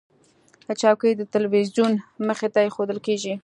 چوکۍ د تلویزیون مخې ته ایښودل کېږي.